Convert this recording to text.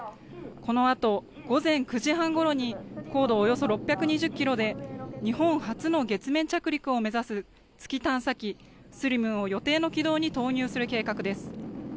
このあと午前９時半ごろに高度およそ６２０キロで日本初の月面着陸を目指す月探査機ＳＬＩＭを予定の軌道に投入する計画です。